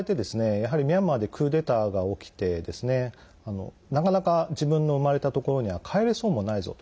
やはりミャンマーでクーデターが起きてなかなか、自分の生まれたところには帰れそうにもないぞと。